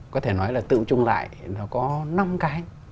có thể nói là tự trung lại nó có năm cái